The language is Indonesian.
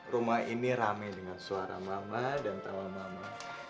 rumah ini rame dengan suara mama dan trauma mama